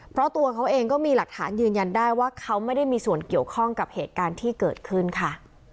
เพราะตัวเขาเองก็มีหลักฐานยืนยันได้ว่าเขาไม่ได้มีส่วนเกี่ยวข้องกับเหตุการณ์ที่เกิดขึ้นค่ะ